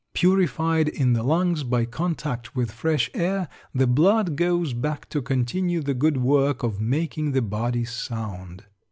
Purified in the lungs by contact with fresh air, the blood goes back to continue the good work of making the body sound.